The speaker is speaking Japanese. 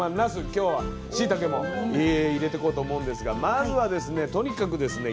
今日はしいたけも入れてこうと思うんですがまずはですねとにかくですね